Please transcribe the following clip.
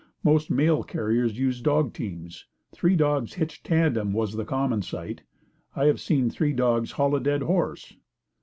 Most mail carriers used dog teams. Three dogs hitched tandem was the common sight. I have seen three dogs haul a dead horse.